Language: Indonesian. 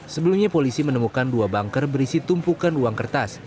sebelumnya polisi menemukan dua banker berisi tumpukan uang kertas